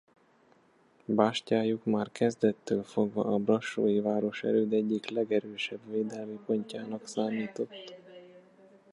Bástyájuk már kezdettől fogva a brassói városerőd egyik legerősebb védelmi pontjának számított.